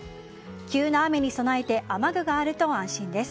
急な雨に備えて雨具があると安心です。